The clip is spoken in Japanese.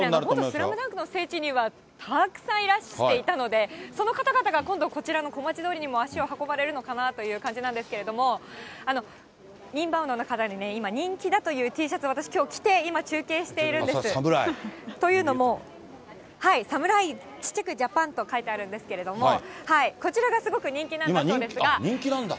スラムダンクの聖地にはたくさんいらしていたので、その方々が今度、こちらの小町通りにも足を運ばれるかなという感じなんですけれども、インバウンドの方に今人気だというＴシャツを私、きょう着て、侍。というのも、侍、ちっちゃくジャパンと書いてあるんですけども、こちらがすごく人人気なんだ。